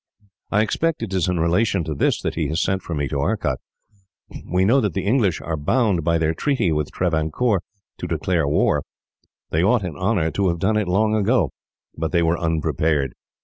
"I expect it is in relation to this that he has sent for me to Arcot. We know that the English are bound, by their treaty with Travancore, to declare war. They ought, in honour, to have done it long ago, but they were unprepared.